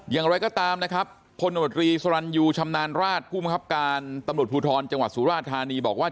อย่างไรก็ตามนะครับพลตำรวจรีสรรยูชำนาญราชผู้มังคับการตำรวจภูทรจังหวัดสุราธานีบอกว่า